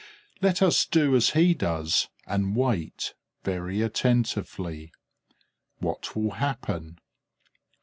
Let us do as he does and wait, very attentively. What will happen?